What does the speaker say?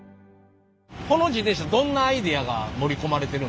この自転車どんなアイデアが盛り込まれてるんですか？